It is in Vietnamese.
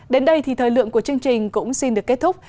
đến đây thì thời lượng của chương trình cũng xin được kết thúc